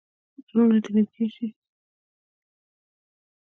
زړونه دې نږدې شي.